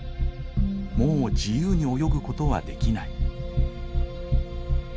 もう自由に泳ぐことはできない。